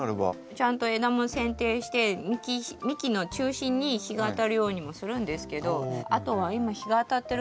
ちゃんと枝もせん定して幹の中心に日が当たるようにもするんですけどあとは今日が当たってるんですけどね